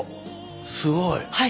すごい。